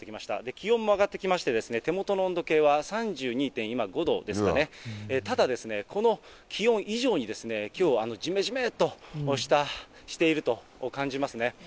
気温も上がってきまして、手元の温度計は３２．５度ですかね、ただですね、この気温以上にきょう、じめじめっとしていると感じますね。